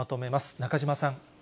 中島さん。